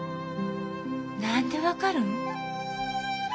何で分かるん？